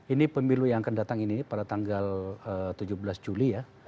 ini pemilu yang akan datang ini pada tanggal tujuh belas juli ya